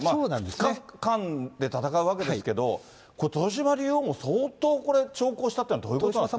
２日間で戦うわけですけど、豊島竜王も相当これ、長考したっていうのは、どういうことなんですか。